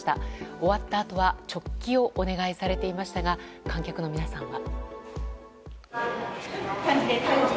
終わったあとは直帰をお願いされていましたが観客の皆さんは？